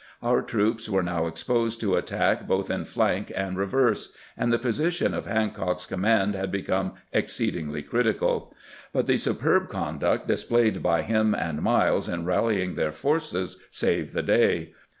Our troops were now exposed to attack both in flank and reverse, and the position of Hancock's com mand had become exceedingly critical ; but the superb conduct displayed by him and Miles in rallying their forces saved the day.